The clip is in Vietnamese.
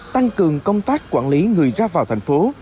tăng cường công tác quản lý người ra vào thành phố